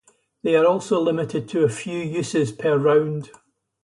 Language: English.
They are also limited to a few uses per round.